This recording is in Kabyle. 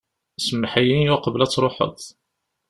Semmeḥ-iyi uqbel ad truḥeḍ.